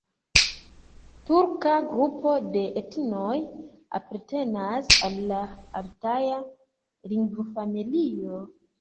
Turka grupo de etnoj apartenas al la altaja lingvofamilio.